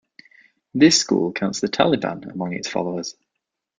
This school counts the Taliban among its followers.